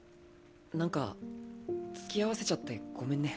何か付き合わせちゃってごめんね。